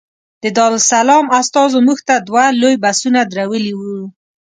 د دارالسلام استازو موږ ته دوه لوی بسونه درولي وو.